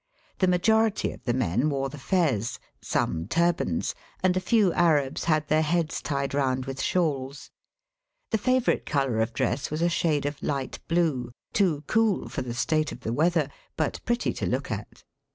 The majority of the men wore the fez, some turbans, and a few Arabs had their heads tied round with shawls. The favourite colour of dress was a shade of light blue, too cool for the state of the weather, but pretty to look at.